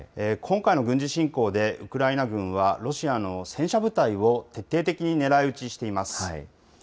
今回の軍事侵攻でウクライナ軍は、ロシアの戦車部隊を徹底的に狙い打ちしています。